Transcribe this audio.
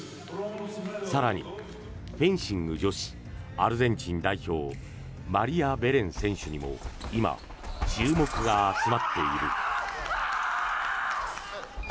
更に、フェンシング女子アルゼンチン代表マリアベレン選手にも今、注目が集まっている。